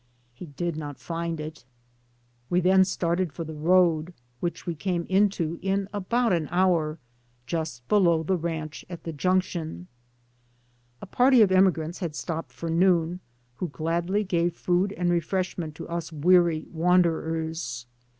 He did not find it. W^e then started for the road, which we came into in about an hour, just below the ranch at the junction. "A party of emigrants had stopped for noon, who gladly gave food and refreshment 2si^ DAYS ON THE ROAD. to us weary wanderers.